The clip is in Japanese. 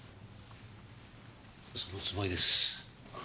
そのつもりです。